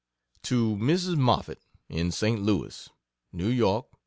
To Mrs. Moffett, in St. Louis: NEW YORK...